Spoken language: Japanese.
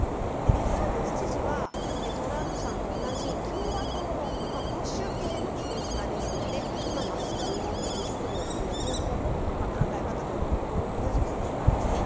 デサンティス知事はトランプさんと同じ共和党の保守系の政治家ですのでマスコミを敵視するという方法も考え方と同じく一緒なんですね。